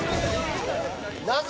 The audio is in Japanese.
なぜ？